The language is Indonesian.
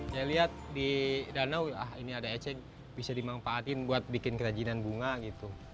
saya lihat di danau ini ada ecek bisa dimanfaatin buat bikin kerajinan bunga gitu